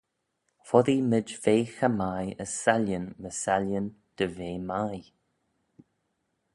Foddee mayd ve cha mie as saillin my saillin dy ve mie.